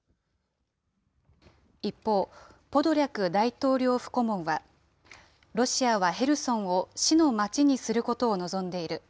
一方、ポドリャク大統領府顧問は、ロシアはヘルソンを死の街にすることを望んでいる。